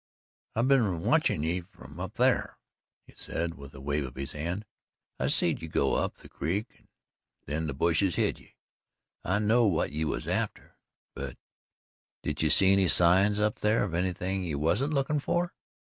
"I've been watchin' ye from up thar," he said with a wave of his hand. "I seed ye go up the creek, and then the bushes hid ye. I know what you was after but did you see any signs up thar of anything you wasn't looking fer?"